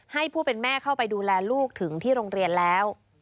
ผู้เป็นแม่เข้าไปดูแลลูกถึงที่โรงเรียนแล้ว